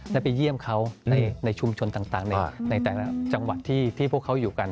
ได้ไปเยี่ยมเขาในชุมชนต่างในแต่ละจังหวัดที่พวกเขาอยู่กัน